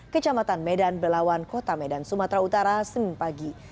kecamatan medan belawan kota medan sumatera utara senin pagi